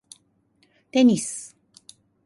テニス